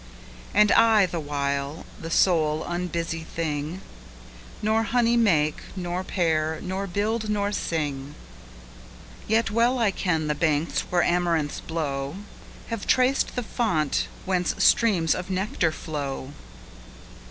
And I, the while, the sole unbusy thing, 5 Nor honey make, nor pair, nor build, nor sing. Yet well I ken the banks where amaranths blow, Have traced the fount whence streams of nectar flow.